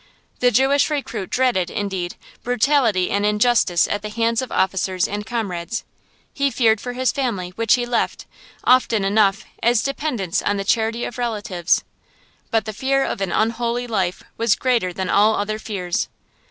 The Jewish recruit dreaded, indeed, brutality and injustice at the hands of officers and comrades; he feared for his family, which he left, often enough, as dependents on the charity of relatives; but the fear of an unholy life was greater than all other fears.